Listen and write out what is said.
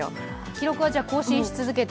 記録は更新し続けて？